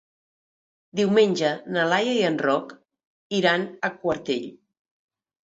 Diumenge na Laia i en Roc iran a Quartell.